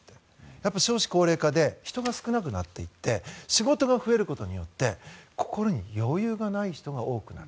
やっぱり少子高齢化で人が少なくなっていって仕事が増えることによって心に余裕がない人が多くなる。